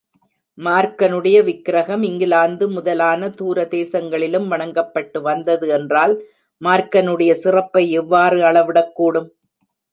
மார்க்கனுடைய விக்கிரகம் இங்கிலாந்து முதலான தூர தேசங்களிலும் வணங்கப்பட்டு வந்தது என்றால் மார்க்கனுடைய சிறப்பை எவ்வாறு அளவிடக்கூடும்?